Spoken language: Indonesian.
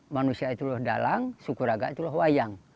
manusia itu adalah dalang sukuraga itu adalah wayang